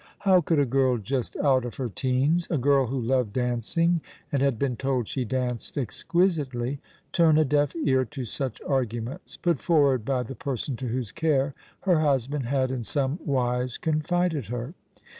How could a girl just out of her teens — a girl who loved dancing, and had been told she danced exquisitely — turn a deaf ear to such arguments, put forward by the person to whose care her husband had in some wise confided her.